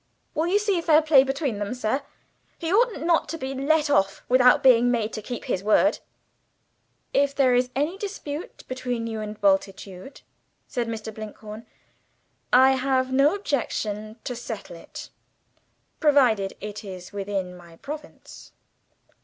"Will you see fair play between them, sir? He oughtn't to be let off without being made to keep his word." "If there is any dispute between you and Bultitude," said Mr. Blinkhorn, "I have no objection to settle it provided it is within my province."